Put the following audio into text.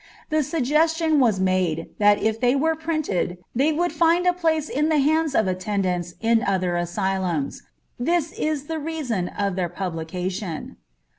The suggestion was made that if they were printed they would find a place in the hands of attendants in other asylums. This is the reason of their publication.